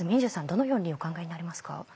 どのようにお考えになりますか？